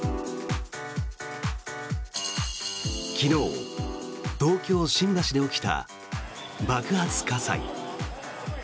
昨日、東京・新橋で起きた爆発火災。